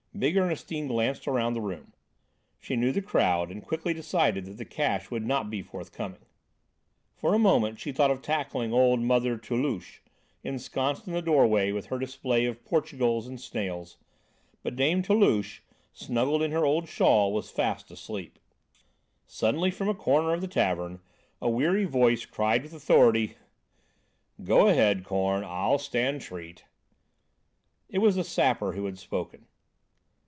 Big Ernestine glanced around the room. She knew the crowd and quickly decided that the cash would not be forthcoming. For a moment she thought of tackling old Mother Toulouche, ensconced in the doorway with her display of portugals and snails, but dame Toulouche, snuggled in her old shawl, was fast asleep. Suddenly from a corner of the tavern, a weary voice cried with authority: "Go ahead, Korn, I'll stand treat." It was the Sapper who had spoken.